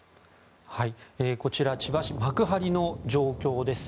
こちら、千葉市幕張の状況です。